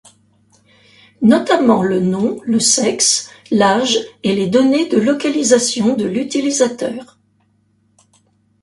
Notamment le nom, le sexe, l'âge et les données de localisation de l'utilisateur.